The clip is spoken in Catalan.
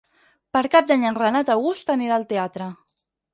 Per Cap d'Any en Renat August anirà al teatre.